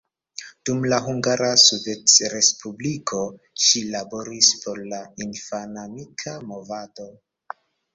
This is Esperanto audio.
Dum la Hungara Sovetrespubliko ŝi laboris por la infanamika movado.